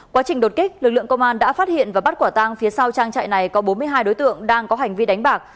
quá trình đột kích lực lượng công an đã phát hiện và bắt quả tang phía sau trang trại này có bốn mươi hai đối tượng đang có hành vi đánh bạc